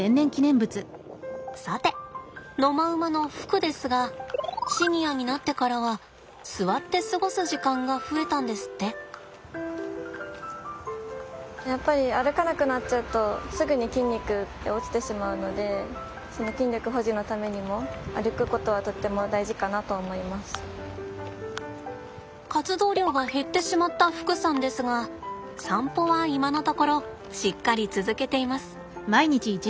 さて野間馬の福ですがシニアになってからはやっぱり歩かなくなっちゃうとすぐに筋肉って落ちてしまうので活動量が減ってしまった福さんですが散歩は今のところしっかり続けています。